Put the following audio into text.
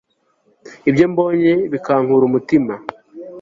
ibyo mbonye bikankura umutima